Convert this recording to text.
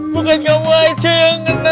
bukan kamu aja yang kena